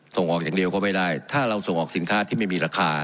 ส่งออกอย่างเดียวก็ไม่ได้ถ้าเราส่งออกสินค้าที่ไม่มีราคา